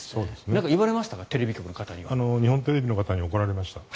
なんか言われましたかテレビ局の方には。日本テレビの方に怒られました。